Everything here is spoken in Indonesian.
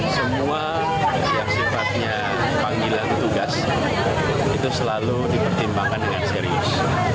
semua yang sifatnya panggilan tugas itu selalu dipertimbangkan dengan serius